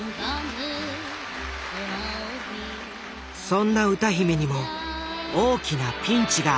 そんな歌姫にも大きなピンチがあった。